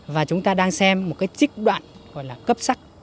và chúng ta đang xem một cái trích đoạn gọi là cấp sắc